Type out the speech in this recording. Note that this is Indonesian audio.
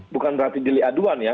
bukan berarti delik aduan ya